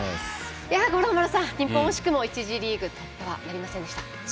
五郎丸さん、日本惜しくも１次リーグ突破なりませんでした。